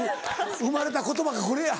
生まれた言葉がこれや。